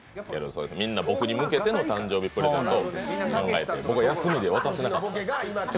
みんなが僕に向けての誕生日プレゼントということで僕が休みで渡せなかったと。